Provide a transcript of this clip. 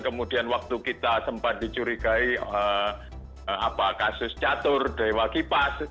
kemudian waktu kita sempat dicurigai kasus catur dewa kipas